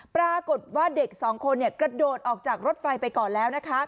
ปรากฏว่าเด็กสองคนกระโดดออกจากรถไฟไปก่อนแล้วนะคะ